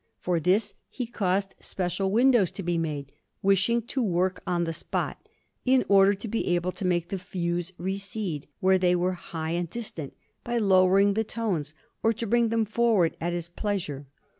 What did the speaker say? For this he caused special windows to be made, wishing to work on the spot, in order to be able to make the views recede, where they were high and distant, by lowering the tones, or to bring them forward, at his pleasure.